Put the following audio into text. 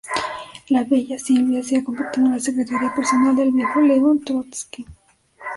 La bella Sylvia se ha convertido en la secretaria personal del viejo León Trotski.